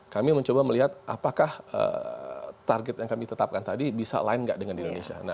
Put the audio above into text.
kami mencoba melihat apakah target yang kami tetapkan tadi bisa line gak dengan di indonesia